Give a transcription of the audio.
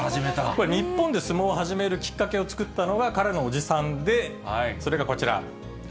これ、日本で相撲を始めるきっかけを作ったのが、彼の叔父さんで、それがこちら。